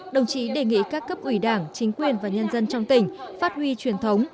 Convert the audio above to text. đồng chí đề nghị các cấp ủy đảng chính quyền và nhân dân trong tỉnh phát huy truyền thống